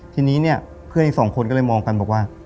ทีนี้เนี่ยเพื่อนอีกสองคนก็เลยมองกันบอกว่า